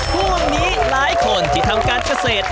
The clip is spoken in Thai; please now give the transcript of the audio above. ช่วงนี้หลายคนที่ทำการเกษตร